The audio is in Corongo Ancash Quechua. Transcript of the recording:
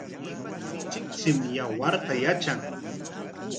Tsiktsim yawarta yatran.